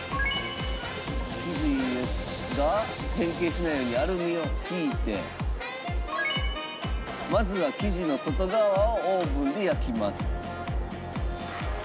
生地が変形しないようにアルミを敷いてまずは生地の外側をオーブンで焼きます。